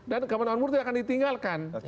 dan keamanan murtid akan ditinggalkan